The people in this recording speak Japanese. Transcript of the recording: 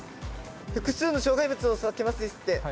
複数の障害物を避けますですって。